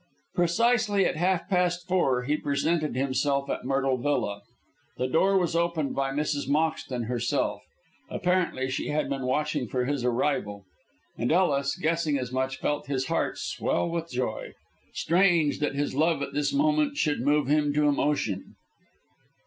Precisely at half past four he presented himself at Myrtle Villa. The door was opened by Mrs. Moxton herself. Apparently she had been watching for his arrival, and Ellis, guessing as much, felt his heart swell with joy. Strange that his love at this moment should move him to emotion.